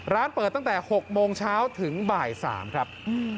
ร้านเปิดตั้งแต่๖โมงเช้าถึงบ่าย๓ครับ